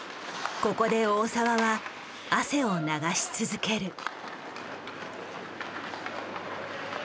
ここで大澤は汗を流し続ける。